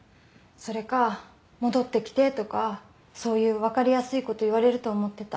それか戻ってきてとかそういう分かりやすいこと言われると思ってた。